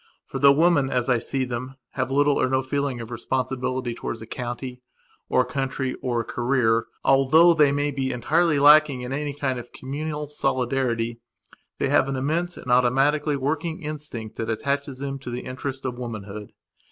For, though women, as I see them, have little or no feeling of responsibility towards a county or a country or a careeralthough they may be entirely lacking in any kind of communal solidaritythey have an immense and automatically working instinct that attaches them to the interest of womanhood.